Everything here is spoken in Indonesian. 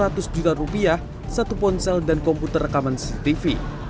rp seratus juta rupiah satu ponsel dan komputer rekaman cctv